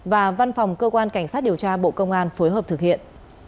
và văn phòng cơ quan cảnh sát điều tra bộ công an phối hợp thực hiện